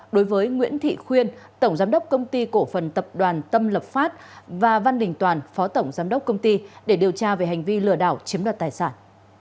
đối với nguyễn thị khuyên tổng giám đốc công ty cổ phần tập đoàn tâm lập pháp và văn đình toàn phó tổng giám đốc công ty để điều tra về hành vi lừa đảo chiếm đoạt tài sản